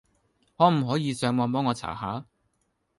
可唔可以上網幫我查下？